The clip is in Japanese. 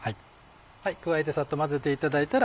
加えてサッと混ぜていただいたら。